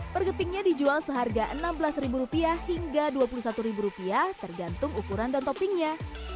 pergepingnya dijual seharga rp enam belas hingga rp dua puluh satu tergantung ukuran dan toppingnya